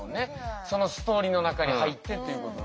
そのストーリーの中に入ってっていうこと。